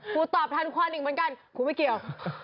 ตอบทันควันอีกเหมือนกันกูไม่เกี่ยว